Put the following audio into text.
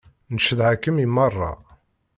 Ncedha-kem i meṛṛa.